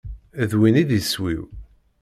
D win i d iswi-w.